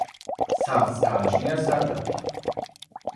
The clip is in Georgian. სახლს გააჩნია სარდაფი.